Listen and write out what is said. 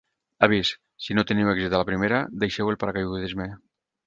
Avís: si no teniu èxit a la primera, deixeu el paracaigudisme.